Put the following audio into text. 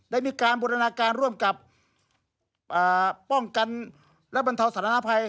ได้มีการบูรณาการร่วมกับป้องกันและบรรเทาสถานภัย